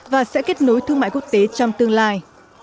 và sẽ kết nối thương mại quốc tế trong tương lai